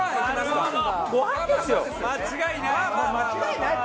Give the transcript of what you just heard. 間違いない！